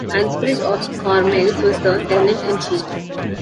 Ansfrid of Cormeilles was the tenant-in-chief.